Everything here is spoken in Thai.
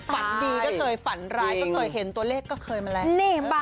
ฝันดีก็เคยฝันร้ายก็เคยเห็นตัวเลขก็เคยมาแล้ว